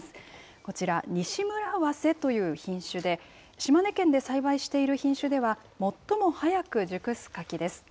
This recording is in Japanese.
こちら、西村早生という品種で、島根県で栽培している品種では、最も早く熟す柿です。